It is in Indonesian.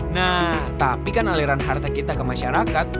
nah tapi kan aliran harta kita ke masyarakat